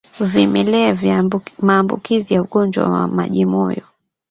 Vimelea vya maambukizi ya ugonjwa wa majimoyo